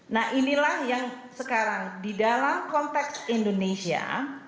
nah inilah yang sekarang di dalam konteks indonesia